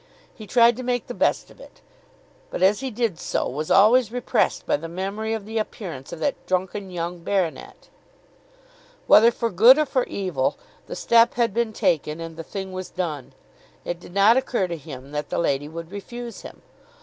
He tried to make the best of it; but as he did so was always repressed by the memory of the appearance of that drunken young baronet. Whether for good or for evil, the step had been taken and the thing was done. It did not occur to him that the lady would refuse him.